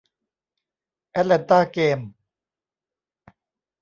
แอตแลนต้าเกมส์